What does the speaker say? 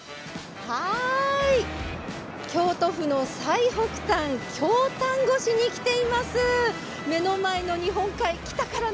京都府の日本海側京丹後市に来ています。